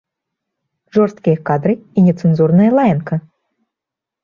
Жорсткія кадры і нецэнзурная лаянка!